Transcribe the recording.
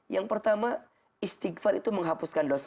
yang pertama istighfar itu menghapuskan dosa